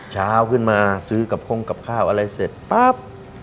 เช้าขึ้นมาซื้อกับคงกับข้าวอะไรเสร็จปั๊บ